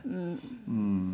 うん。